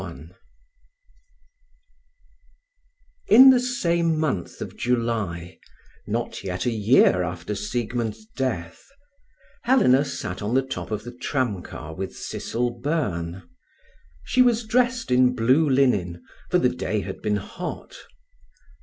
XXXI In the same month of July, not yet a year after Siegmund's death, Helena sat on the top of the tramcar with Cecil Byrne. She was dressed in blue linen, for the day had been hot.